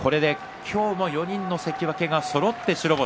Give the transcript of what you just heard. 今日も４人の関脇、そろって白星。